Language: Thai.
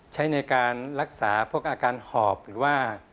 ใช้ในการรักษาพวกอาการหอบหรือว่า